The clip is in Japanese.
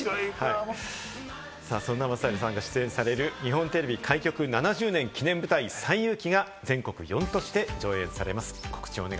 さあ、そんな松平さんが出演される日本テレビ開局７０周年記念舞台『西遊記』が全国４都市で上演されます。